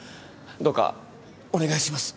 どうかお願いします。